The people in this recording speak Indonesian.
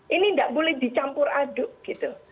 ini tidak boleh dicampur aduk gitu